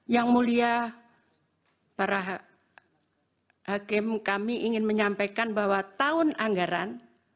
yang mulia para hakim kami ingin menyampaikan bahwa tahun anggaran